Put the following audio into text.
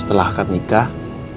setelah akad nikah